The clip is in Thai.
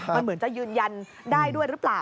มันเหมือนจะยืนยันได้ด้วยหรือเปล่า